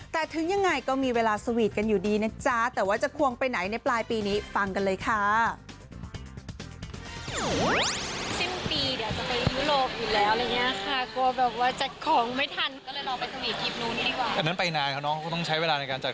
แต่ถึงยังไงก็มีเวลาสวีทกันอยู่ดีนะจ๊ะแต่ว่าจะควงไปไหนในปลายปีนี้ฟังกันเลยค่ะ